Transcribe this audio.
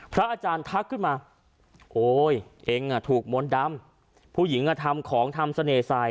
พระอาจารย์ทักขึ้นมาโอ๊ยเองถูกมนต์ดำผู้หญิงอ่ะทำของทำเสน่ห์ใส่